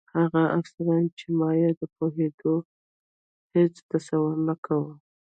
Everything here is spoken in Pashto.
هغه افسران چې ما یې د پوهېدو هېڅ تصور نه کاوه.